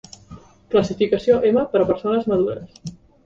Classificació M per a persones madures.